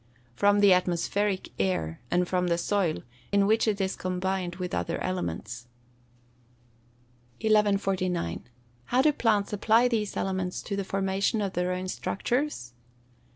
_ From the atmospheric air, and from the soil, in which it is combined with other elements. 1149. _How do plants apply these elements to the formation of their own structures?